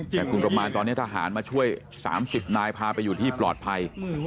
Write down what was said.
แต่คุณประมาณตอนนี้ทหารมาช่วย๓๐นายพาไปอยู่ที่ปลอดภัย